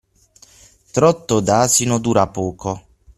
Trotto d'asino dura poco.